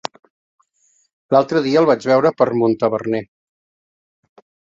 L'altre dia el vaig veure per Montaverner.